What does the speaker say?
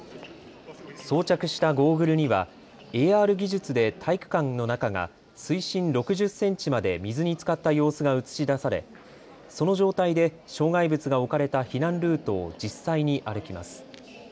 装着したゴーグルにはＡＲ技術で体育館の中が水深６０センチまで水につかった様子が映し出されその状態で障害物が置かれた避難ルートを実際に歩きます。